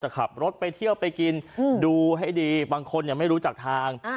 ขับรถไปเที่ยวไปกินดูให้ดีบางคนไม่รู้จักทาง